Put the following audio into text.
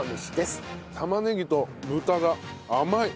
玉ねぎと豚が甘い。